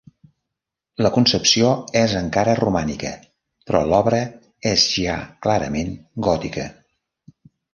La concepció és encara romànica, però l'obra és ja clarament gòtica.